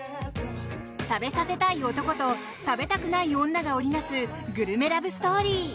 食べさせたい男と食べたくない女が織り成すグルメラブストーリー。